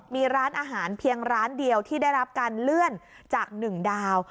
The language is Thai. มีร้านอาหารเพียงร้านเดียวที่ได้รับการเลื่อนจาก๑ดาว